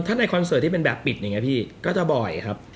ถ้าในคอนเสิร์ทเป็นแบบปิดก็จะบ่อยครับ